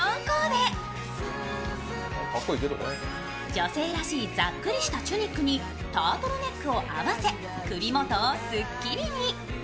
女性らしいざっくりしたチュニックにタートルネックを合わせ首元をすっきりに。